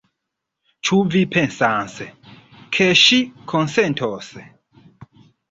Ĉu vi pensas, ke ŝi konsentos?